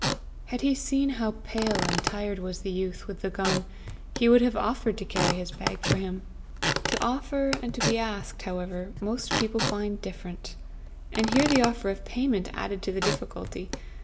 Had he seen how pale and tired was the youth with the gun, he would have offered to carry his bag for him; to offer and to be asked, however, most people find different; and here the offer of payment added to the difficulty.